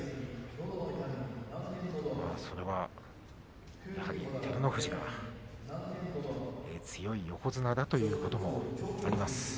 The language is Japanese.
それは、やはり照ノ富士が強い横綱だということもあります。